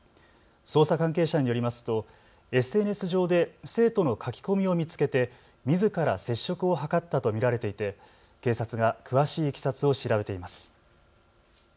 捜査関係者によりますとＳＮＳ上で生徒の書き込みを見つけて、みずから接触を図ったと見られていて警察が詳しいいきさつを調べています。